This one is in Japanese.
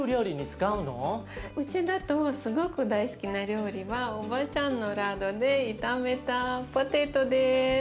うちだとすごく大好きな料理はおばあちゃんのラードで炒めたポテトです。